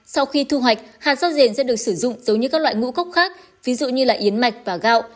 sau khi thu hoạch hạt rau dền sẽ được sử dụng giống như các loại ngũ cốc khác ví dụ như yến mạch và gạo